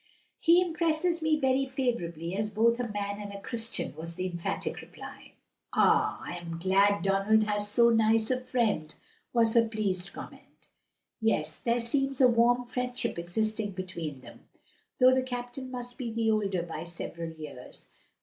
"He impresses me very favorably as both a man and a Christian," was the emphatic reply. "Ah! I am glad Donald has so nice a friend," was her pleased comment. "Yes, there seems a warm friendship existing between them, though the captain must be the older by several years.